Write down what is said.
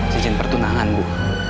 cincin pertunangan bu